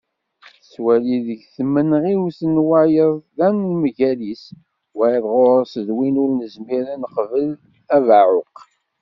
Tettwali deg tmenɣiwt n wayeḍ d anemgal-is: wayeḍ ɣur-s, d win ur nezmir ad neqbel, d abeɛɛuq.